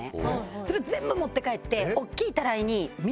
それを全部持って帰って。